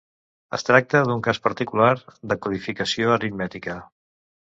Es tracta d'un cas particular de codificació aritmètica.